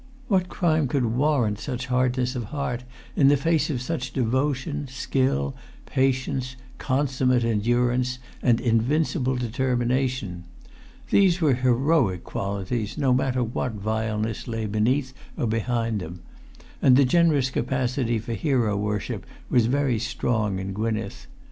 What[Pg 309] crime could warrant such hardness of heart in the face of such devotion, skill, patience, consummate endurance, and invincible determination? These were heroic qualities, no matter what vileness lay beneath or behind them; and the generous capacity for hero worship was very strong in Gwynneth.